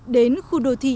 đến khu đồ thị